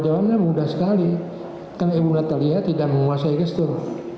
jawabannya mudah sekali karena ibu natalia tidak menguasai gestur